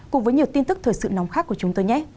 cùng với nhiều tin tức thời sự nóng khác của chúng tôi nhé